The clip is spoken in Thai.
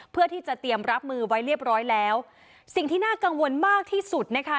เพื่อที่จะเตรียมรับมือไว้เรียบร้อยแล้วสิ่งที่น่ากังวลมากที่สุดนะคะ